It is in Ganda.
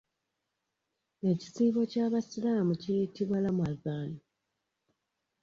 Ekisiibo ky'abasiraamu kiyitibwa Ramadan.